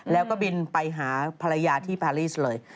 แล้วก็บินไปหาภรรยาที่พารีสเลย